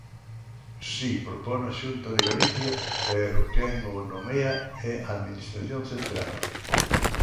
Si, propono a Xunta de Galicia, pero quen o nomea é a Administración central.